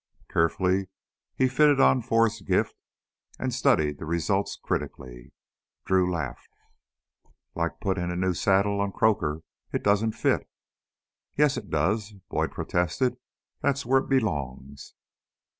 Carefully he fitted on Forrest's gift and studied the result critically. Drew laughed. "Like puttin' a new saddle on Croaker; it doesn't fit." "Yes, it does," Boyd protested. "That's right where it belongs."